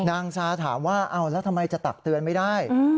นางซาถามว่าเอาแล้วทำไมจะตักเตือนไม่ได้